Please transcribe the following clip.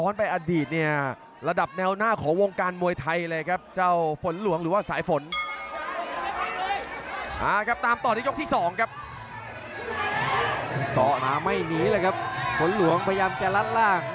นี่ครับซ้ายยาวครับท่านหน้าขนหลวง